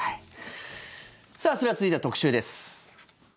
さあ、続いては特集です。